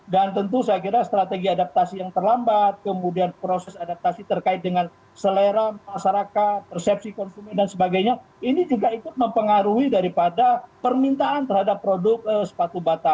dan tentu saya kira strategi adaptasi yang terlambat kemudian proses adaptasi terkait dengan selera masyarakat persepsi konsumen dan sebagainya ini juga ikut mempengaruhi daripada permintaan terhadap produk sepatu